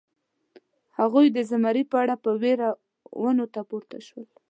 هغوی د زمري په اړه په وېره ونو ته پورته شول.